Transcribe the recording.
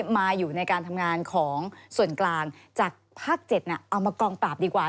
มาอยู่ในการทำงานของส่วนกลางจากภาค๗เอามากองปราบดีกว่า